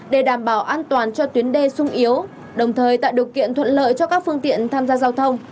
để đảm bảo an toàn cho tuyến đê sung yếu đồng thời tạo điều kiện thuận lợi cho các phương tiện tham gia giao thông